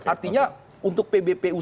artinya untuk pbpu